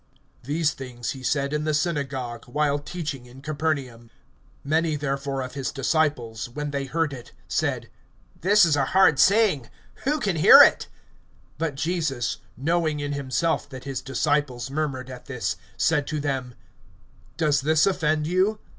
(59)These things he said in the synagogue, while teaching in Capernaum. (60)Many therefore of his disciples, when they heard it, said: This is a hard saying; who can hear it? (61)But Jesus, knowing in himself that his disciples murmured at this, said to them: Does this offend you?